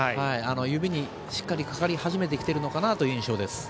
指にしっかりかかり始めてきてるのかなという印象です。